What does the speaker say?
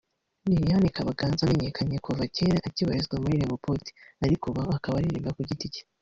Liliane Kabaganza wamenyekanye kuva kera akibarizwa muri Rehoboth Ministries ariko kuri ubu akaba aririmba ku giti cye